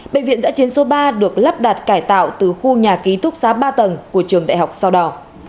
bệnh viện giã chiến số ba được lắp đặt cải tạo từ khu nhà ký thúc giá ba tầng của trường đại học sau đó